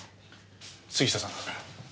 杉下さん。